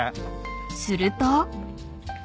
［すると］